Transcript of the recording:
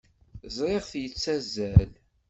Ẓriɣ-t yettazzal.